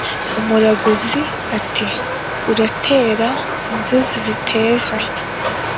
umuraguzi ati"uratera inzuzi ziteze?"